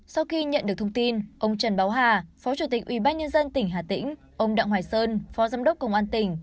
sau khi nhận được thông tin ông trần bá hà phó chủ tịch ubnd tỉnh hà tĩnh ông đặng hoài sơn phó giám đốc công an tỉnh